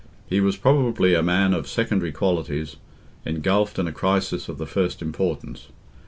He was probably a man of secondary qualities, engulfed in a crisis of the first importance.